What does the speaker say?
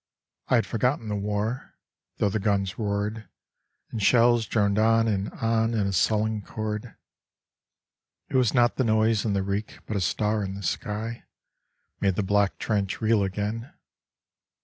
I had forgotten the war Though the guns roared And shells droned on and on In a sullen chord. It was not the noise and the reek But a star in the sky Made the black trench real again.